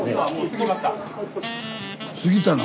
過ぎたの？